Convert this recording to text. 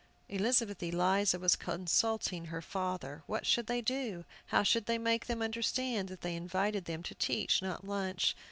Elizabeth Eliza was consulting her father. What should they do? How should they make them understand that they invited them to teach, not lunch.